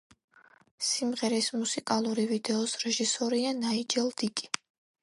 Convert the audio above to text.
სიმღერის მუსიკალური ვიდეოს რეჟისორია ნაიჯელ დიკი.